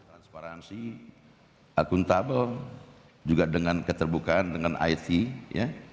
transparansi akuntabel juga dengan keterbukaan dengan it ya